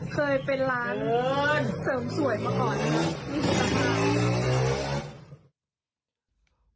เคยเป็นร้านเสริมสวยมาก่อนนะครับ